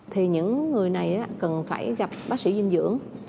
thì những người này cần phải gặp bác sĩ dinh dưỡng